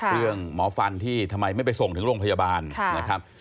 หมอฟันที่ทำไมไม่ไปส่งถึงโรงพยาบาลนะครับ